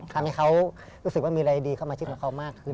ทำให้เขารู้สึกว่ามีอะไรดีเข้ามาชิปกับเขามากขึ้น